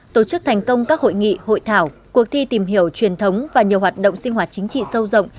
tổ chức thành công các hội nghị hội thảo cuộc thi tìm hiểu truyền thống và nhiều hoạt động sinh hoạt chính trị sâu rộng